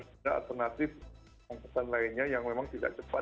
ada alternatif angkutan lainnya yang memang tidak cepat